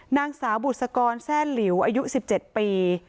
นางสาวบุษกรแทร่หลิวอายุ๑๗ปี